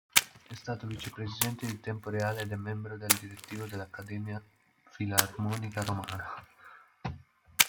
È stato vicepresidente di Tempo Reale ed è membro del direttivo dell'Accademia Filarmonica Romana.